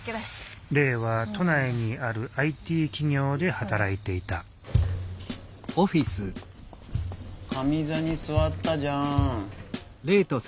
玲は都内にあるＩＴ企業で働いていた上座に座ったじゃん。